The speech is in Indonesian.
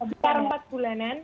sekitar empat bulanan